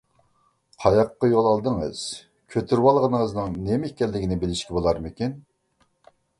قاياققا يول ئالدىڭىز؟ كۆتۈرۈۋالغىنىڭىزنىڭ نېمە ئىكەنلىكىنى بىلىشكە بولارمىكىن؟